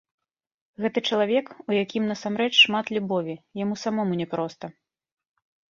Гэта чалавек, у якім насамрэч шмат любові, яму самому няпроста.